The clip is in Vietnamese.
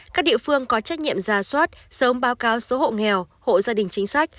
các địa phương có trách nhiệm ra soát sớm báo cáo số hộ nghèo hộ gia đình chính sách